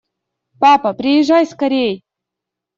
Папа, приезжай скорей!